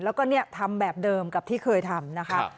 แล้วก็ทำแบบเดิมกับที่เคยทำนะคะ